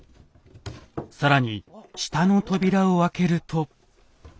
更に下の扉を開けると。